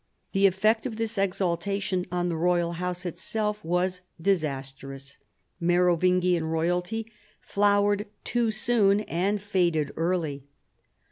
The effect of this exaltation on the royal house itself was disastrous. Merovingian royalty flowered too soon and faded early.